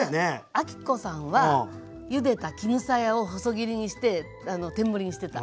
昭子さんはゆでた絹さやを細切りにして天盛りにしてた。